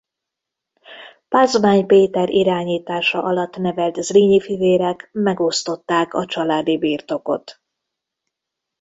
Pázmány Péter irányítása alatt nevelt Zrínyi fivérek megosztották a családi birtokot.